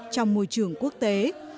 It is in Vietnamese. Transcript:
trong môi trường quốc tế